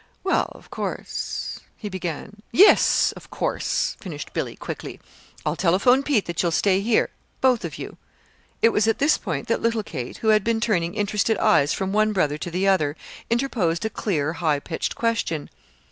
"Well, of course " he began. "Yes, of course," finished Billy, quickly. "I'll telephone Pete that you'll stay here both of you." It was at this point that little Kate, who had been turning interested eyes from one brother to the other, interposed a clear, high pitched question.